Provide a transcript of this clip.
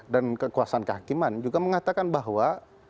dan kekuasaan kehakiman juga mengatakan bahwa